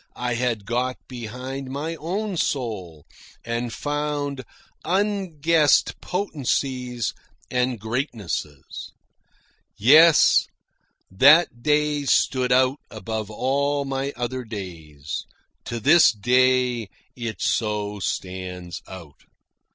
I had got behind my own soul and found unguessed potencies and greatnesses. Yes, that day stood out above all my other days. To this day it so stands out.